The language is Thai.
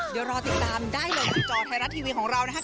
เดี๋ยวรอติดตามได้เลยหน้าจอไทยรัฐทีวีของเรานะครับ